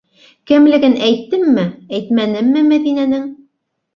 Кемлеген әйттемме, әйтмәнемме Мәҙинәнең?!